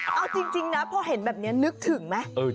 เอาจริงนะพอเห็นแบบนี้นึกถึงไหม